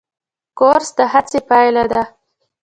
کورس د هڅې پایله ده.